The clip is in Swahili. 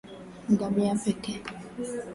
Ngamia pekee